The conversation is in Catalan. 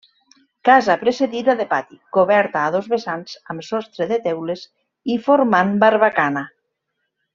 Casa precedida de pati, coberta a dos vessants amb sostre de teules i formant barbacana.